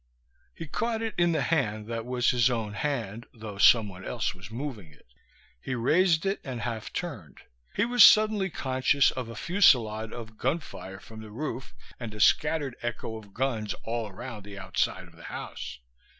He caught it in the hand that was his own hand, though someone else was moving it; he raised it and half turned. He was suddenly conscious of a fusillade of gunfire from the roof, and a scattered echo of guns all round the outside of the house.